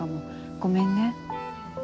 ごめんね。